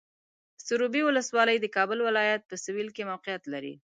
سروبي ولسوالۍ د کابل ولایت په سویل کې موقعیت لري.